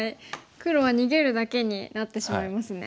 黒は逃げるだけになってしまいますね。